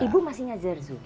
ibu masih ngajar zoom